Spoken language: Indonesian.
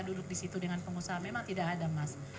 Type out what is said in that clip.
duduk di situ dengan pengusaha memang tidak ada mas